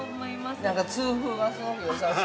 ◆何か通風がすごくよさそう。